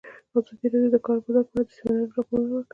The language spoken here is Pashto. ازادي راډیو د د کار بازار په اړه د سیمینارونو راپورونه ورکړي.